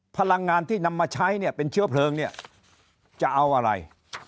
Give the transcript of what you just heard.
พลังงานที่นำมาใช้เนี่ยเป็นเชื้อเพลิงเนี่ยจะเอาอะไร